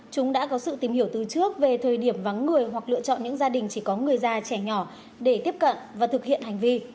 chúng đã có sự tìm hiểu từ trước về thời điểm vắng người hoặc lựa chọn những gia đình chỉ có người già trẻ nhỏ để tiếp cận và thực hiện hành vi